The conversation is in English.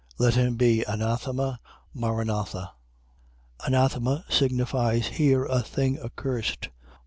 Let him be anathema, maranatha. . .Anathema signifies here a thing accursed.